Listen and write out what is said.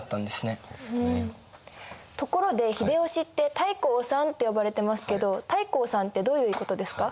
ところで秀吉って太閤さんって呼ばれてますけど太閤さんってどういうことですか？